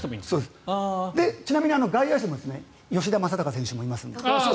ちなみに外野手も吉田正尚選手もいますので。